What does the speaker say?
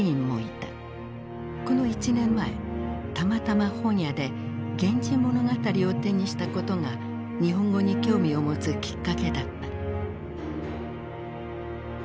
この１年前たまたま本屋で「源氏物語」を手にしたことが日本語に興味を持つきっかけだった。